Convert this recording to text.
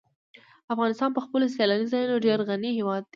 افغانستان په خپلو سیلاني ځایونو ډېر غني هېواد دی.